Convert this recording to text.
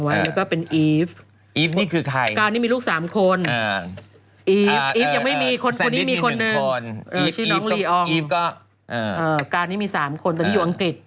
ว่าการที่มี๓คนตั้งอยู่อังกฤษ